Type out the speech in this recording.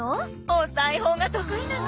お裁縫が得意なの。